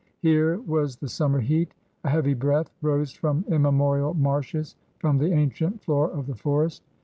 Here was the summer heat. A heavy breath rose from immemorial marshes, from the ancienl floor of the forest.